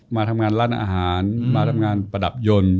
มาทำงานร้านอาหารมาทำงานประดับยนต์